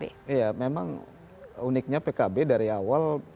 iya memang uniknya pkb dari awal